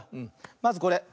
まずこれ。